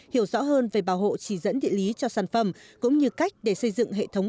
hiểu rõ hơn về bảo hộ chỉ dẫn địa lý cho sản phẩm cũng như cách để xây dựng hệ thống